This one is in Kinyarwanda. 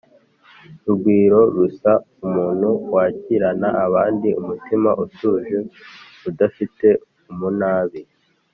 rugwirorusa: umuntu wakirana abandi umutima utuje, udafite umunabi